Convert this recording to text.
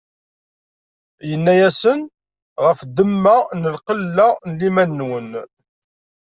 Inna-asen: Ɣef ddemma n lqella n liman-nwen.